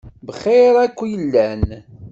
Bxiṛ akk i llan.